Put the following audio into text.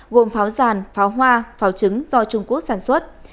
gồm pháo giàn pháo hoa pháo trứng do trung quốc sản xuất